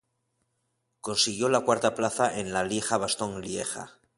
Consiguió la cuarta plaza en la Lieja-Bastogne-Lieja.